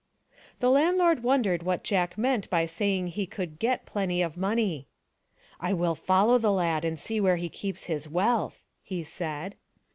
The landlord wondered what Jack meant by saying he could get plenty of money. " I will follow the lad and see where he keeps his wealth," he said.